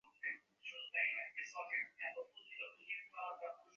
এর বেশি কিছু না।